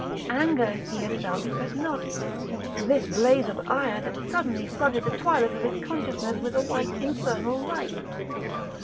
Anger he had felt, but not this blaze of ire that suddenly flooded the twilight of his consciousness with a white infernal light.